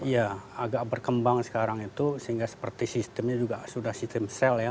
ya agak berkembang sekarang itu sehingga seperti sistemnya juga sudah sistem sel ya